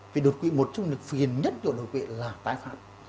vì đột quỵ một trong những phiền nhất của đột quỵ là tái phát